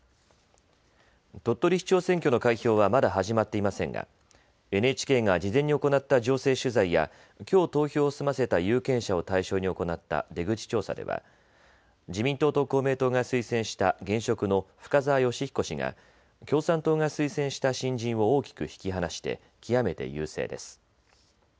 鳥取市長選挙の開票はまだ始まっていませんがＮＨＫが事前に行った情勢取材やきょう投票を済ませた有権者を対象に行った出口調査では自民党と公明党が推薦した現職の深澤義彦氏が共産党が推薦した新人を大きく引き離して極めて優勢です。